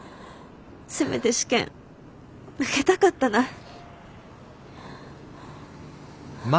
せめて試験受けたかったな。